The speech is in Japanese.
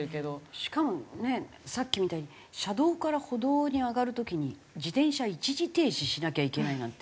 しかもねさっきみたいに車道から歩道に上がる時に自転車一時停止しなきゃいけないなんて。